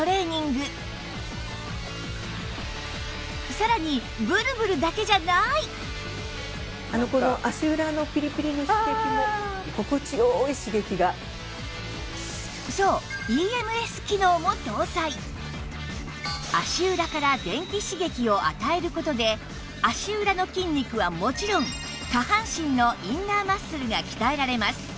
さらにこのそう足裏から電気刺激を与える事で足裏の筋肉はもちろん下半身のインナーマッスルが鍛えられます